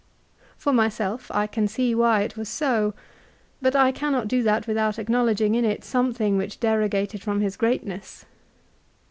For myself I can see why it was so ; but I cannot do that without acknowledging in it some thing which derogated from his greatness.